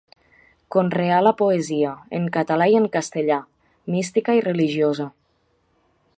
Conreà la poesia, en català i en castellà, mística i religiosa.